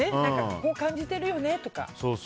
こう感じてるよね？とか。